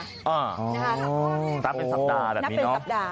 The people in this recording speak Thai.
อ๋อนับเป็นสัปดาห์แบบนี้เนอะ